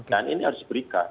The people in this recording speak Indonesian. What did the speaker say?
dan ini harus diberikan